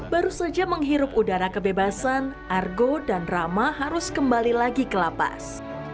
baru saja menghirup udara kebebasan argo dan rama harus kembali lagi ke lapas